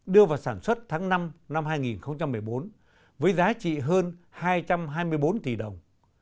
đưa vào sản xuất tháng năm năm hai nghìn một mươi bốn với giá trị hơn hai trăm hai mươi bốn tỷ đồng